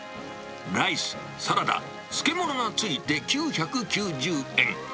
ライス、サラダ、漬物が付いて９９０円。